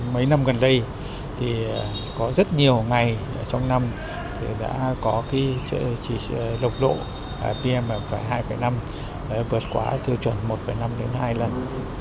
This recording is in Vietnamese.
mấy năm gần đây thì có rất nhiều ngày trong năm thì đã có cái độc lộ pmf hai năm vượt quá thư chuẩn một năm đến hai lần